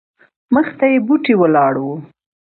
مخته یې بوټې ولاړ وو.